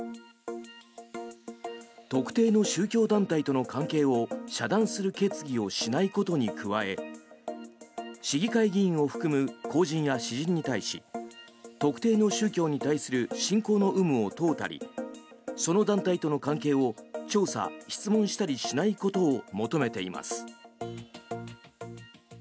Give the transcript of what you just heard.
特定の宗教団体との関係を遮断する決議をしないことに加え市議会議員を含む公人や私人に対し特定の宗教に対する信仰の有無を問うたりその団体との関係を調査・質問したりしないことを求めています。